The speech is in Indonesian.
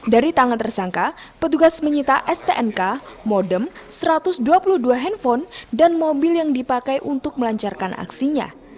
dari tangan tersangka petugas menyita stnk modem satu ratus dua puluh dua handphone dan mobil yang dipakai untuk melancarkan aksinya